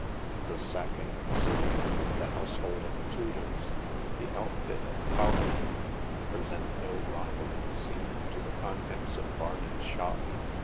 The sacking of a city, the household of a Toodles, the outfit of a colony, present no rivalling scene to the contents of Barney's shop.